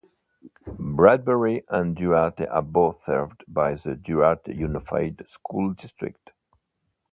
Bradbury and Duarte are both served by the Duarte Unified School District.